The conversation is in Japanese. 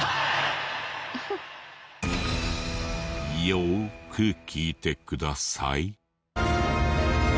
よーく聞いてください。